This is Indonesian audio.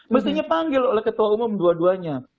mestinya panggil oleh ketua umum dua duanya